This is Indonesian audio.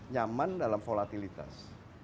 nyaman dalam volatilitas